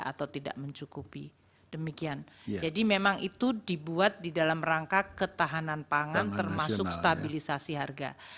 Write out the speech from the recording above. atau tidak mencukupi demikian jadi memang itu dibuat di dalam rangka ketahanan pangan termasuk stabilisasi harga